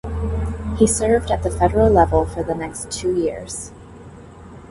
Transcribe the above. He served at the federal level for the next two years.